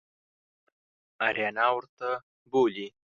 آریانا ورته بولي.